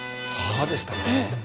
そうでしたね。